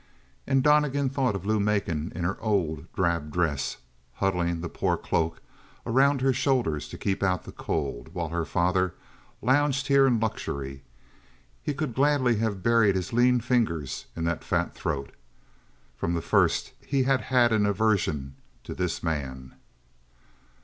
And Donnegan thought of Lou Macon in her old, drab dress, huddling the poor cloak around her shoulders to keep out the cold, while her father lounged here in luxury. He could gladly have buried his lean fingers in that fat throat. From the first he had had an aversion to this man.